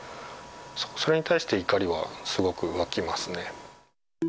それに対して怒りはすごくわきますね。